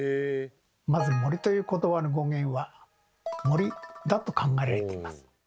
まず「森」ということばの語源は「盛り」だと考えられています。